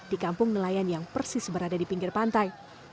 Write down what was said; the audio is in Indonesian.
di kampung nelayan yang persis berada di pinggir pantai